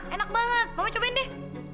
enak banget kamu cobain deh